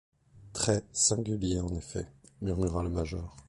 Très-singulier, en effet, » murmura le major.